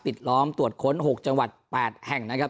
ล้อมตรวจค้น๖จังหวัด๘แห่งนะครับ